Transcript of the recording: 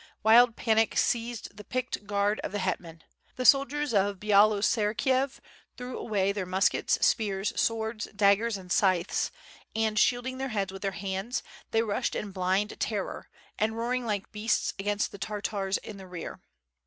Wild panic seized the picked guard of the hetman. The soldiers of Byalotserkiev threw away their muskets, spears, swords, daggers, and scythes, and shielding their heads with their hands, they rushed in blind terror and roaring like beasts against the Tartars in the rear.